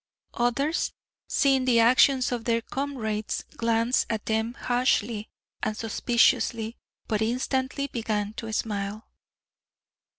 Others, seeing the actions of their comrades, glanced at them harshly and suspiciously, but instantly began to smile.